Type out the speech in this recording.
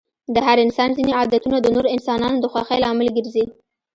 د هر انسان ځيني عادتونه د نورو انسانانو د خوښی لامل ګرځي.